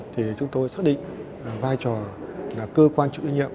thì chúng tôi xác định vai trò là cơ quan chủ nhiệm